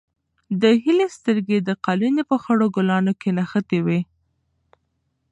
د هیلې سترګې د قالینې په خړو ګلانو کې نښتې وې.